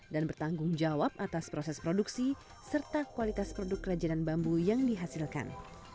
dan bertanggung jawab atas proses produksi serta kualitas produk kerajinan bambu yang dihasilkan